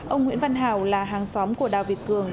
ông nguyễn văn hào là hàng xóm của đào việt cường